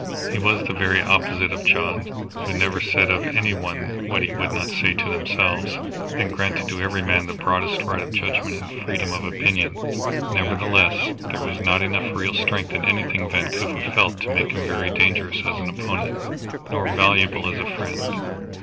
He was the very opposite of John, who never said of any one what he would not say to themselves, and granted to every man the broadest right of judgment and freedom of opinion. Nevertheless there was not enough real strength in anything Vancouver felt to make him very dangerous as an opponent, nor valuable as a friend.